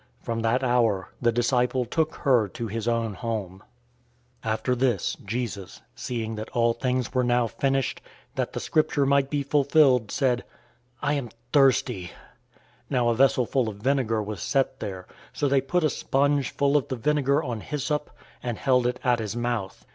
From that hour, the disciple took her to his own home. 019:028 After this, Jesus, seeing{NU, TR read "knowing" instead of "seeing"} that all things were now finished, that the Scripture might be fulfilled, said, "I am thirsty." 019:029 Now a vessel full of vinegar was set there; so they put a sponge full of the vinegar on hyssop, and held it at his mouth.